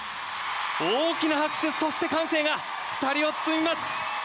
大きな拍手、そして歓声が２人を包みます。